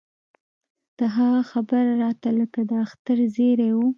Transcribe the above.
د هغه خبره راته لکه د اختر زېرى و.